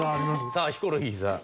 さあヒコロヒーさん。